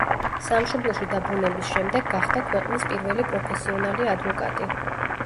სამშობლოში დაბრუნების შემდეგ გახდა ქვეყნის პირველი პროფესიონალი ადვოკატი.